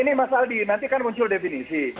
ini mas aldi nanti kan muncul definisi